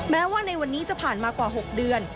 แม้ว่าในวันนี้จะผ่านมากว่า๖เดือน